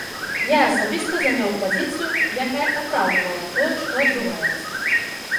Я асабіста заняў пазіцыю, якая апраўдвала тое, што адбываецца.